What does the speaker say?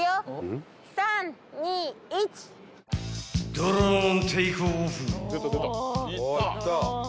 ［ドローンテイクオフ］